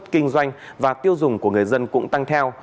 kinh doanh và tiêu dùng của người dân cũng tăng theo